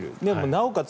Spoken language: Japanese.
なおかつ